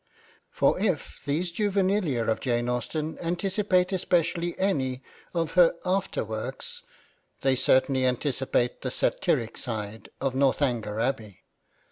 For if these juvenilia of Jane Austen anticipate especially any of her after works, they certainly anticipate the satiric side of Northanger Abbey.